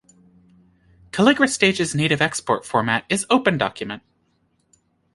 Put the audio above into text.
Calligra Stage's native export format is OpenDocument.